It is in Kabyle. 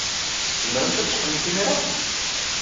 Tzemremt ad d-teqqlemt imir-a?